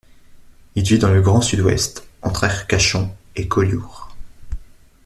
Il vit dans le grand Sud-Ouest entre Arcachon et Collioure.